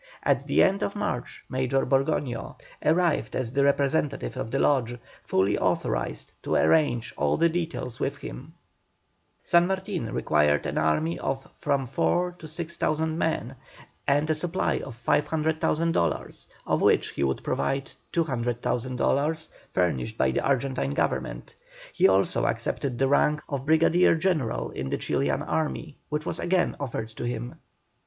At the end of March Major Borgoño arrived as the representative of the Lodge, fully authorised to arrange all the details with him. San Martin required an army of from 4,000 to 6,000 men, and a supply of 500,000 dols., of which he would provide 200,000 dols., furnished by the Argentine Government. He also accepted the rank of Brigadier General in the Chilian army, which was again offered to him.